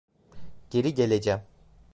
Geri geleceğim.